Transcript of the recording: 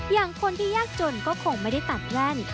อย่างคนที่ยากจนก็คงไม่ได้ตัดแว่น